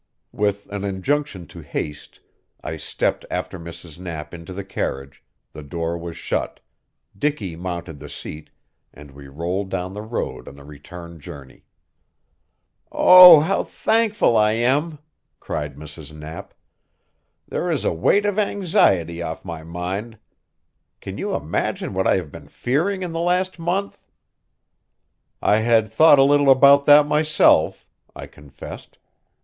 With an injunction to haste, I stepped after Mrs. Knapp into the carriage, the door was shut, Dicky mounted the seat, and we rolled down the road on the return journey. "Oh, how thankful I am!" cried Mrs. Knapp. "There is a weight of anxiety off my mind. Can you imagine what I have been fearing in the last month?" "I had thought a little about that myself," I confessed.